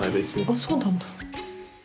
あそうなんだ。